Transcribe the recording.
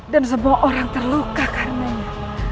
dan semua orang terluka karenanya